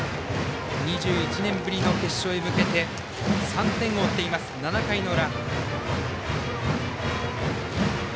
２１年ぶりの決勝へ向けて３点を追っています、７回の裏。